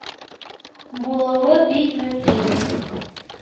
Булыуы бик мөмкин.